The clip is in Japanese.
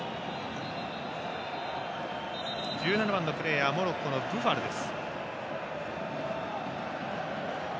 １７番のプレーヤーモロッコのブファルです。